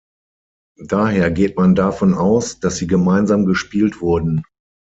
Daher geht man davon aus, dass sie gemeinsam gespielt wurden.